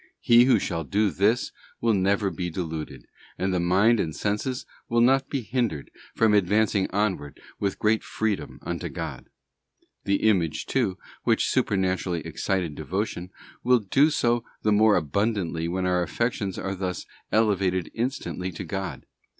He who shall do this will never be deluded, and the mind and senses will not be hindered from advancing onward with great freedom unto God. The image, too, which supernaturally excited devotion, will do so the more abundantly when our affections are thus elevated instantly to God.